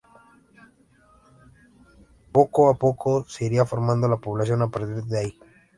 Poco a poco se iría formando la población a partir de ahí.